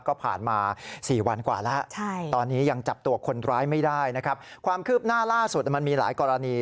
ก็ผ่านมา๔วันกว่าแล้วตอนนี้ยังจับตัวคนร้ายไม่ได้นะครับความคืบหน้าล่าสุดมันมีหลายกรณี